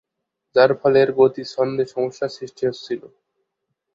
যার ফলে এর গতি ছন্দে সমস্যার সৃষ্টি হচ্ছিলো।